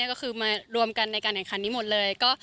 ก็คือมารวมกันในการแข่งขันนี้หมดเลย